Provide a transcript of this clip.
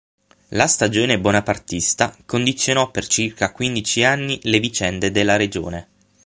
La stagione bonapartista condizionò per circa quindici anni le vicende della regione.